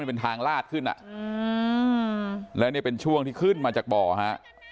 มันเป็นช่วงที่ขึ้นมาจากบ่อฮะ